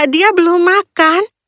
dia belum makan